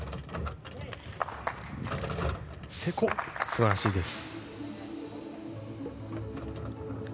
すばらしいです。